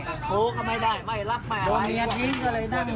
โทรเขาไม่ได้ไม่รับแม่